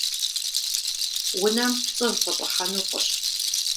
Унэм цӏыв къыщӏыхьэну фӏыщ.